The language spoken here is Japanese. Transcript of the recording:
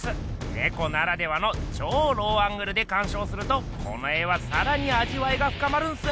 ねこならではのちょうローアングルでかんしょうするとこの絵はさらにあじわいがふかまるんす！